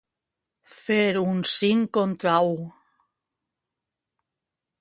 Fer un cinc contra u.